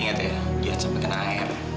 ingat ya jangan sampai kena air